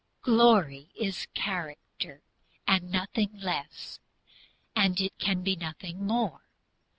Glory is character, and nothing less, and it can be nothing more.